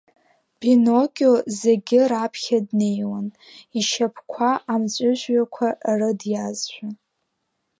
Пиноккио зегьы раԥхьа днеиуан, ишьапқәа амҵәыжәҩақәа рыдиаазшәа.